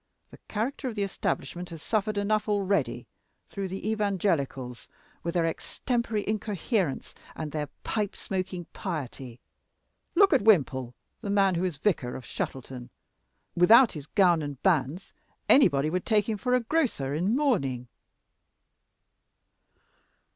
The character of the Establishment has suffered enough already through the Evangelicals, with their extempore incoherence and their pipe smoking piety. Look at Wimple, the man who is vicar of Shuttleton without his gown and bands anybody would take him for a grocer in mourning."